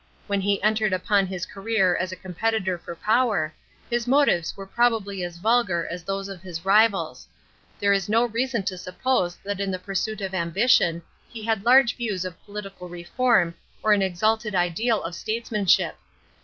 When he entered upon his career as a competitor for power, his motives were probably as vulgar as those of his rivals ; there is no reason to suppose that in the pursuit of ambition he had large views of political r« form or an exalted ideal of statesman "hip.